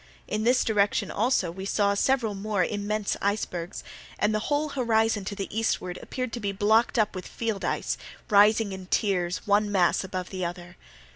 In this direction also we saw several more immense icebergs, and the whole horizon to the eastward appeared to be blocked up with field ice, rising in tiers, one mass above the other.